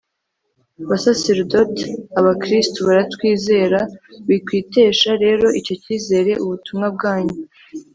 basaserdoti, abakristu baratwizera! wikwitesha rero icyo kizere. ubutumwa bwanyu